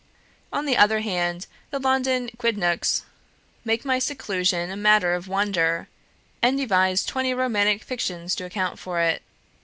On the other hand, the London quidnuncs make my seclusion a matter of wonder, and devise twenty romantic fictions to account for it.